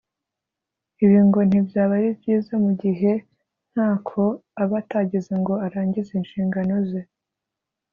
Ibi ngo ntibyaba ari byiza mu gihe nta ko aba atagize ngo arangize inshingano ze